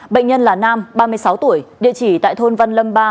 bệnh nhân là nam ba mươi sáu tuổi địa chỉ tại thôn văn lâm ba